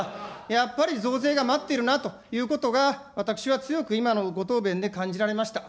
やっぱり増税が待っているなということが私は強く今のご答弁で感じられました。